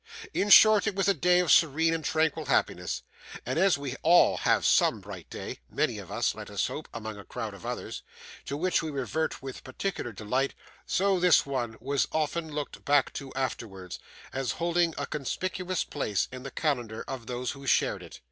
In short, it was a day of serene and tranquil happiness; and as we all have some bright day many of us, let us hope, among a crowd of others to which we revert with particular delight, so this one was often looked back to afterwards, as holding a conspicuous place in the calendar of those who shared it.